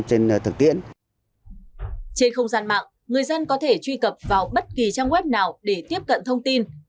trên không gian mạng người dân có thể truy cập vào bất kỳ trang web nào để tiếp cận thông tin